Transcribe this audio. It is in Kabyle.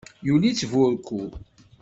Yuli-tt burekku.